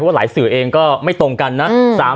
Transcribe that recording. หลายสื่อเองก็ไม่ตรงกันนะ